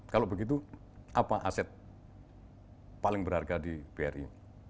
kalau begitu apa aset paling berharga di bri